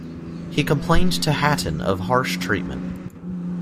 He complained to Hatton of harsh treatment.